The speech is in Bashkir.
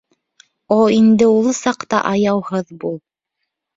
О инде ул саҡта аяуһыҙ бул.